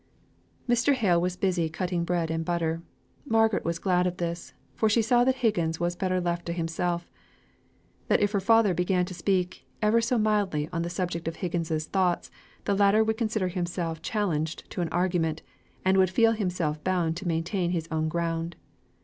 Mr. Hale was busy cutting bread and butter; Margaret was glad of this, for she saw that Higgins was better left to himself: that if her father began to speak ever so mildly on the subject of Higgins's thoughts, the latter would consider himself challenged to an argument, and would feel himself bound to maintain his own ground.